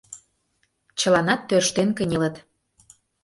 Чыланат тӧрштен кынелыт...